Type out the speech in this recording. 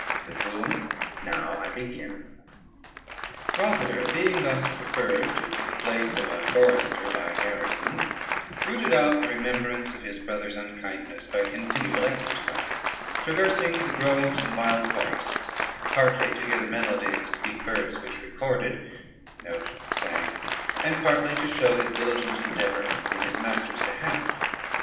With whom now I begin. Rosader, being thus preferred to the place of a forester by Gerismond, rooted out the remembrance of his brother's unkindness by continual exercise, traversing the groves and wild forests, partly to hear the melody of the sweet birds which recorded, and partly to show his diligent endeavor in his master's behalf.